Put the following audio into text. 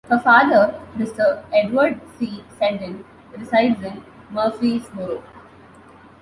Her father, Mr. Edward C. Seddon, resides in Murfreesboro.